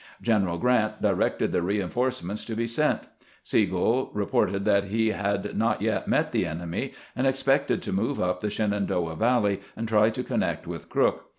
General Grant directed the reinforcements to be sent. Sigel reported that he had not yet met the enemy, and ex pected to move up the Shenandoah Valley and try to connect with Crook.